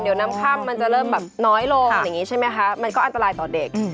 เดี๋ยวน้ำค่ำมันจะเริ่มแบบน้อยลงอย่างนี้ใช่ไหมคะมันก็อันตรายต่อเด็ก